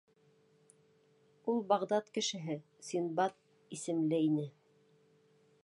— Ул Бағдад кешеһе, Синдбад исемле ине.